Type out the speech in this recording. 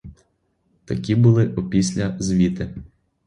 Такі були опісля звіти.